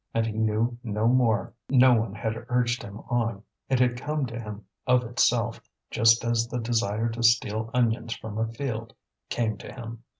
And he knew no more; no one had urged him on, it had come to him of itself, just as the desire to steal onions from a field came to him.